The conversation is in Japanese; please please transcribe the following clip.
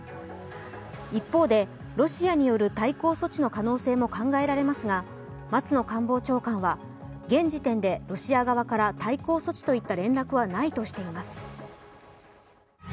一方で、ロシアによる対抗措置の可能性も考えられますが松野官房長官は、現時点でロシア側から対抗措置といった連絡はないとしています。